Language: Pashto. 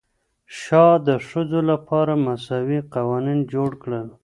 شاه د ښځو لپاره مساوي قوانین جوړ کړل.